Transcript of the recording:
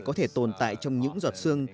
có thể tồn tại trong những giọt sương